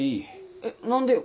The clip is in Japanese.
えっ何でよ。